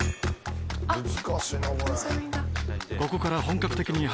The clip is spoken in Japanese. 難しいなこれ。